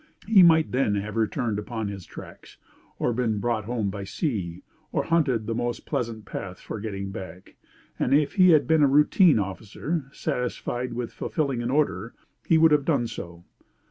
He might then have returned upon his tracks, or been brought home by sea, or hunted the most pleasant path for getting back; and if he had been a routine officer, satisfied with fulfilling an order, he would have done so.